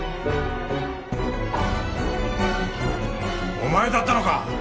お前だったのか！